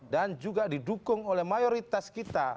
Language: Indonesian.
dan juga didukung oleh mayoritas kita